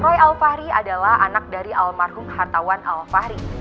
roy alfahri adalah anak dari almarhum hartawan alfahri